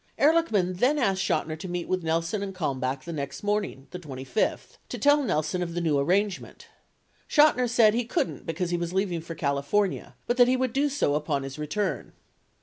Ehrlichman then asked Chotiner to meet with Nelson and Kalmbach the next morning the 25th, to tell Nelson of the new arrangement. Chotiner said he couldn't because he was leaving for California, but that he would do so upon his return.